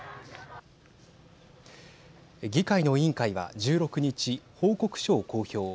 議会の委員会は１６日報告書を公表。